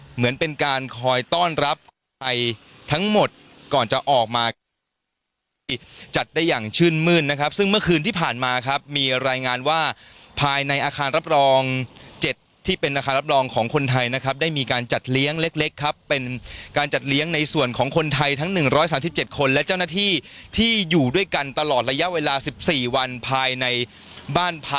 เหมือนเป็นการคอยต้อนรับไทยทั้งหมดก่อนจะออกมาจัดได้อย่างชื่นมื้นนะครับซึ่งเมื่อคืนที่ผ่านมาครับมีรายงานว่าภายในอาคารรับรอง๗ที่เป็นอาคารรับรองของคนไทยนะครับได้มีการจัดเลี้ยงเล็กครับเป็นการจัดเลี้ยงในส่วนของคนไทยทั้ง๑๓๗คนและเจ้าหน้าที่ที่อยู่ด้วยกันตลอดระยะเวลา๑๔วันภายในบ้าน